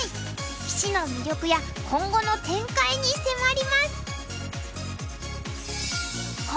棋士の魅力や今後の展開に迫ります。